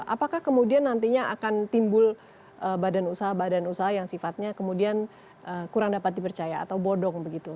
apakah kemudian nantinya akan timbul badan usaha badan usaha yang sifatnya kemudian kurang dapat dipercaya atau bodong begitu